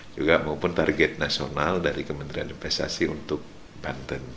juga maupun target nasional dari kementerian investasi untuk banten